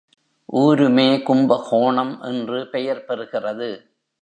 ஊருமே கும்பகோணம் என்று பெயர் பெறுகிறது.